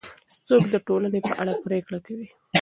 څوک د ټولنې په اړه پرېکړه کوي؟